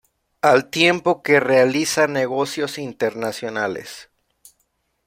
Al tiempo que realiza negocios internacionales.